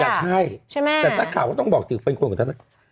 อาจจะใช่แต่ถ้าข่าวก็ต้องบอกถึงเป็นคนของทนายเจมส์